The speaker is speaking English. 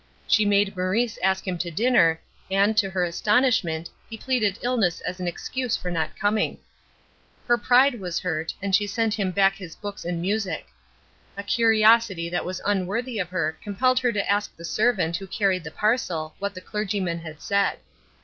She made Maurice ask him to dinner, and, to her astonishment, he pleaded illness as an excuse for not coming. Her pride was hurt, and she sent him back his books and music. A curiosity that was unworthy of her compelled her to ask the servant who carried the parcel what the clergyman had said.